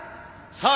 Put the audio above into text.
さあ